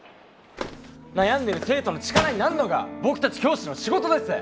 悩んでる生徒の力になるのが僕たち教師の仕事です！